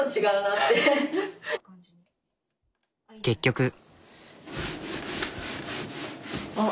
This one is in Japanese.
結局。